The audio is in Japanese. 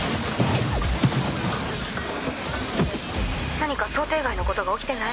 何か想定外のことが起きてない？